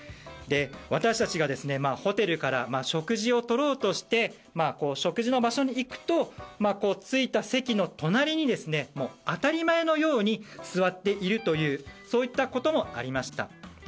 私たちがホテルから食事をとろうとして食事の場所に行くと着いた席の隣に当たり前のように座っているということもありました。